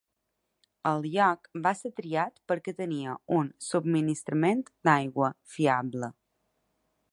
El lloc va ser triat perquè tenia un subministrament d'aigua fiable.